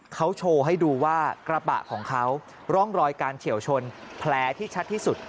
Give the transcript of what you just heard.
เขาโชว์ให้ดูว่ากระบะของเขาร่องรอยการเฉียวชนแผลที่ชัดที่สุด